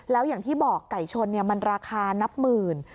แล้วอย่างที่บอกไก่ชนมันราคานับหมื่น